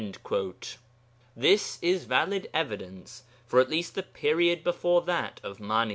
This is valid evidence for at least the period before that of Mani.